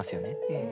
うん。